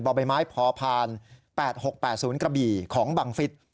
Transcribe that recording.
ใบไม้พอผ่าน๘๖๘๐กระบี่ของบังฟิศ